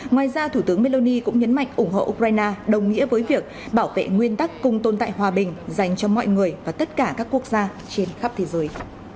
ngoài ra thủ tướng meloni cũng nhấn mạnh ủng hộ ukraine đồng nghĩa với việc bảo vệ nguyên tắc cùng tồn tại hòa bình dành cho mọi người và tất cả các quốc gia trên khắp thế giới